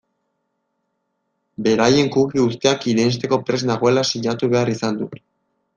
Beraien cookie guztiak irensteko prest nagoela sinatu behar izan dut.